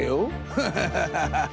フハハハハハ！